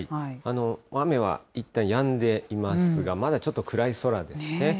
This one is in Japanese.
雨はいったんやんでいますが、まだちょっと暗い空ですね。